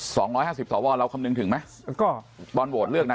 ๒๕๐สหว่อเราคำนึงถึงไหม